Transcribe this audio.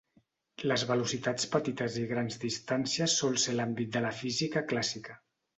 Les velocitats petites i grans distàncies sol ser l'àmbit de la física clàssica.